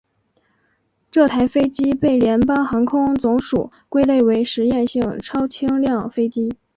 这台飞机被联邦航空总署归类为实验性超轻量飞机。